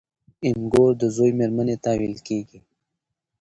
مږور د زوی مېرمني ته ويل کيږي.